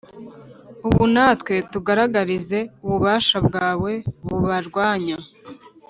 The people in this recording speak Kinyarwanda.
ubu natwe tugaragarize ububasha bwawe bubarwanya,